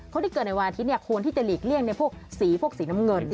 คนที่เกิดในวันอาทิตย์ควรที่จะหลีกเลี่ยงในพวกสีพวกสีน้ำเงิน